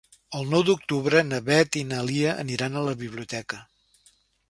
El nou d'octubre na Beth i na Lia aniran a la biblioteca.